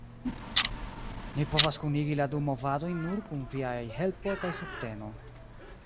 Ni povas kunigi la du movadojn nur kun viaj helpo kaj subteno.